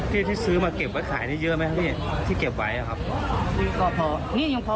พี่ที่ซื้อมาเก็บไว้ขายที่เก็บไว้เหรอ